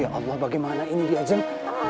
ya allah bagaimana ini dia jeng